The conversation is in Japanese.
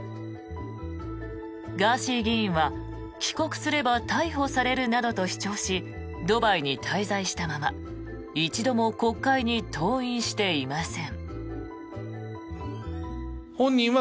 ガーシー議員は、帰国すれば逮捕されるなどと主張しドバイに滞在したまま一度も国会に登院していません。